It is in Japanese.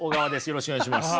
よろしくお願いします。